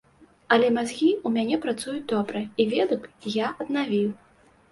Але мазгі ў мяне працуюць добра, і веды б я аднавіў.